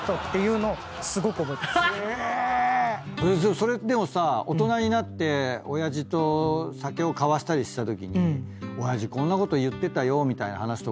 それでもさ大人になって親父と酒を交わしたりしたときに親父こんなこと言ってたよみたいな話とかしないの？